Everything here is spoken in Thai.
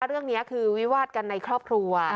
เรื่องนี้คือวิวาดกันในครอบครัว